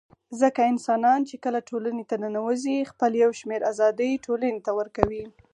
ځکه انسانان چي کله ټولني ته ننوزي خپل يو شمېر آزادۍ ټولني ته ورکوي